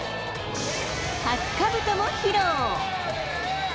初かぶとも披露。